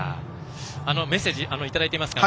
メッセージをいただいています。